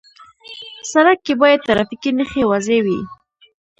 سړک کې باید ټرافیکي نښې واضح وي.